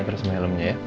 terus melemnya ya